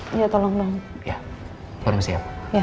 kau masih siap